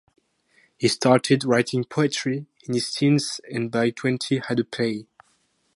He started writing poetry in his teens and by twenty had a play.